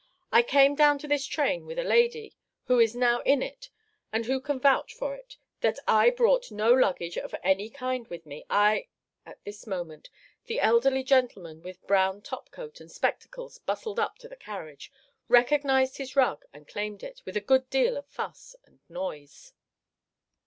"I came down to this train with a lady, who is now in it, and who can vouch for it that I brought no luggage of any kind with me. I " At this moment the elderly gentleman with brown top coat and spectacles bustled up to the carriage, recognised his rug, and claimed it, with a good deal of fuss and noise.